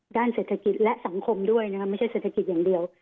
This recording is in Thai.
ด้านเศรษฐกิจและสังคมด้วยนะคะไม่ใช่เศรษฐกิจอย่างเดียว